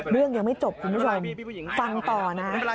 เรื่องยังไม่จบคุณผู้ชมฟังต่อนะ